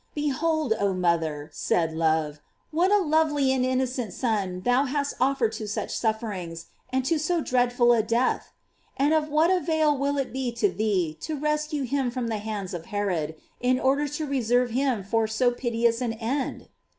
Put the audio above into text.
Behold, oh mother, said love, what a lovely and innocent Son thou hast offered to such sufferings, and to so dreadful a death! And of what avail will it be to thee to rescue him from the hands of Herod, in order to reserve him for so piteous an end?